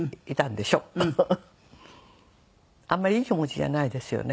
あんまりいい気持ちじゃないですよね。